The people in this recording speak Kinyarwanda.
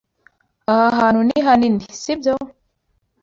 Aha hantu ni hanini, si byo?